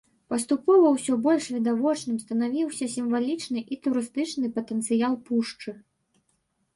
Паступова ўсё больш відавочным станавіўся сімвалічны і турыстычны патэнцыял пушчы.